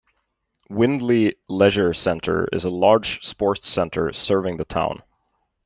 Wyndley Leisure Centre is a large sports centre serving the town.